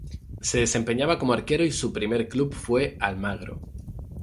Se desempeñaba como arquero y su primer club fue Almagro.